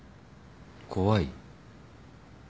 怖い？